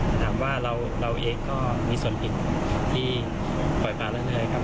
แต่ถามว่าเราเองก็มีส่วนอิ่มที่ปล่อยปากเรื่องชายครับ